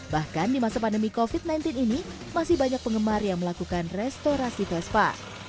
bahkan di masa pandemi covid sembilan belas ini masih banyak penggemar yang melakukan restorasi vespa